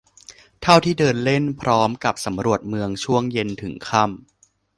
เท่าที่เดินเล่นพร้อมกับสำรวจเมืองช่วงเย็นถึงค่ำ